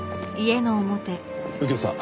右京さん